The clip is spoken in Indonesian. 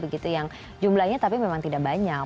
begitu yang jumlahnya tapi memang tidak banyak